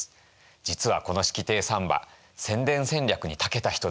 実はこの式亭三馬宣伝戦略にたけた人でした。